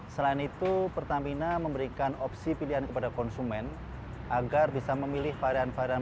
dua ribu enam puluh selain itu pertamina memberikan opsi pilihan kepada konsumen agar bisa memilih varian varian